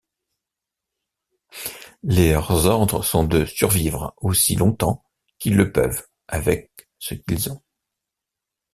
Leurs ordres sont de survivre aussi longtemps qu'ils le peuvent avec ce qu'ils ont.